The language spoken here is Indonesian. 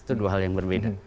itu dua hal yang berbeda